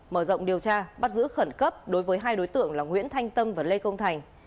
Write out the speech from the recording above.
mở rộng điều tra bắt giữ khẩn cấp đối với hai đối tượng là nguyễn thanh tâm và lê công thành